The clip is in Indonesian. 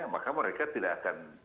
maka mereka tidak akan